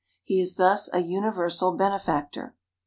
He is thus a universal benefactor.